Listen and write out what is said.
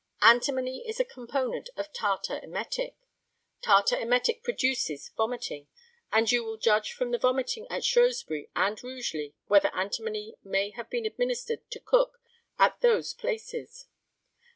Antimony is a component of tartar emetic, tartar emetic produces vomiting, and you will judge from the vomiting at Shrewsbury and Rugeley whether antimony may have been administered to Cook at those places.